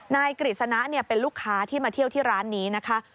กฤษณะเป็นลูกค้าที่มาเที่ยวที่ร้านนี้นะคะ